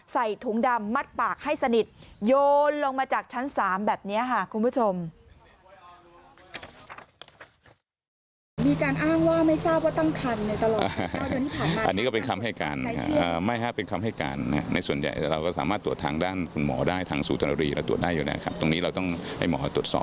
ใส่ถุงดำมัดปากให้สนิทโยนลงมาจากชั้น๓แบบนี้ค่ะคุณผู้ชม